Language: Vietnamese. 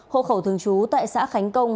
hộ khẩu thường trú tại xã khánh công